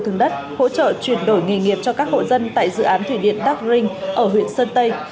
thường hỗ trợ chuyển đổi nghề nghiệp cho các hộ dân tại dự án thủy điện dark ring ở huyện sơn tây